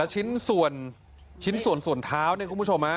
ชิ้นส่วนชิ้นส่วนส่วนเท้าเนี่ยคุณผู้ชม